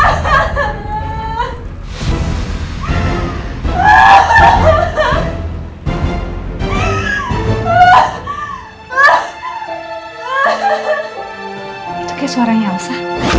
itu kayak suaranya elsa